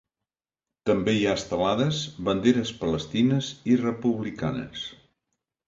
També hi ha estelades, banderes palestines i republicanes.